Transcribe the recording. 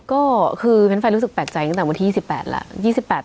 ก็คือเป็นไฟรู้สึกแปลกใจตั้งแต่วันที่๒๘แล้ว